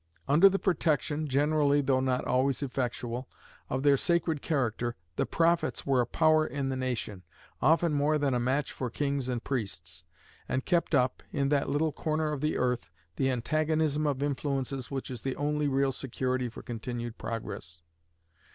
Under the protection, generally though not always effectual, of their sacred character, the Prophets were a power in the nation, often more than a match for kings and priests, and kept up, in that little corner of the earth, the antagonism of influences which is the only real security for continued progress.